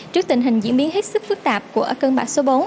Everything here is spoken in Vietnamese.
trước tình hình diễn biến hết sức phức tạp của cơn bão số bốn